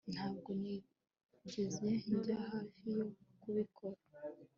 ntabwo nigeze njya hafi yo kubikora